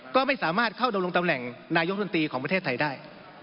ก็ไม่สามารถเข้าดำรงตำแหน่งนายกดนตรีของประเทศไทยได้